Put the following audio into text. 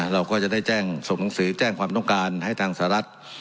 เราก็จะได้แจ้งส่งหนังสือแจ้งความต้องการให้ทางสหรัฐ